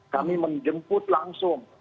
kami menjemput langsung